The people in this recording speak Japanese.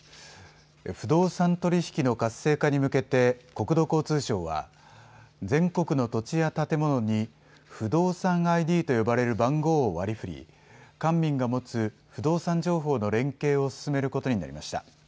不動産取り引きの活性化に向けて国土交通省は全国の土地や建物に不動産ＩＤと呼ばれる番号を割りふり官民が持つ不動産情報の連携を進めることになりました。